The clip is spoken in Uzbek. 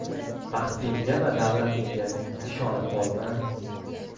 • Baxtingga va davlatingga ishonib qolma.